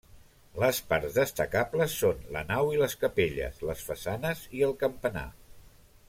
Les parts destacables són la nau i les capelles, les façanes i el campanar.